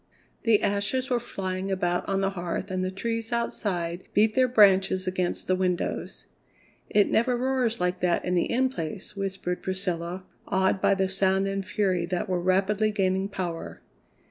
The ashes were flying about on the hearth and the trees outside beat their branches against the windows. "It never roars like that in the In Place," whispered Priscilla, awed by the sound and fury that were rapidly gaining power.